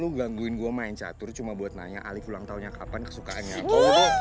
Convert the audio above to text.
lu gangguin gue main catur cuma buat nanya alif ulang taunya kapan kesukaannya aku